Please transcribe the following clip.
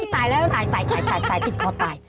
ตายแล้วตายตายติดคอตาย